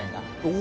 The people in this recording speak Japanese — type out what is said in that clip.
お！